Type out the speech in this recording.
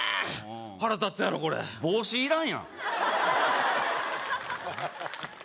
腹立つやろこれ帽子いらんやんえっ